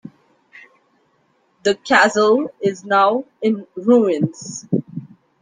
The castle is now in ruins.